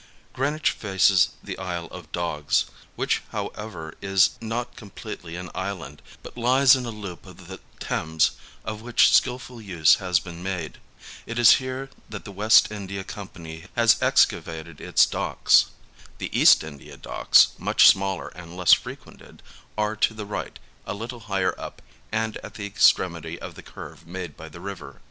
Greenwich faces the Isle of Dogs, which however is not completely an island, but lies in a loop of the Thames of which skilful use has been made. It is here that the West India Company has excavated its docks. The East India Docks, much smaller and less frequented, are to the right a little higher up and at the extremity of the curve made by the river.